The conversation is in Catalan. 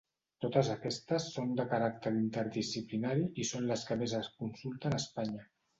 Totes aquestes són de caràcter interdisciplinari i són les que més es consulten a Espanya.